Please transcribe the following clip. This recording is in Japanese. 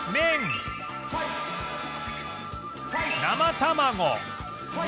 生卵